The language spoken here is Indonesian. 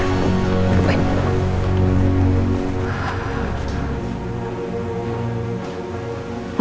sebentar sayangnya mama ke kamar dulu ya